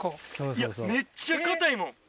いやめっちゃ硬いもん。